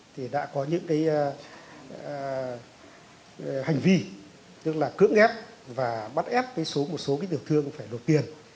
thì đã có những cái hành vi tức là cưỡng ép và bắt ép một số tiểu thương phải đột tiền